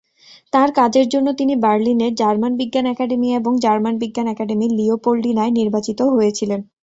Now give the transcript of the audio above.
তাঁর কাজের জন্য, তিনি বার্লিনের জার্মান বিজ্ঞান একাডেমি এবং জার্মান বিজ্ঞান একাডেমি লিওপল্ডিনায় নির্বাচিত হয়েছিলেন।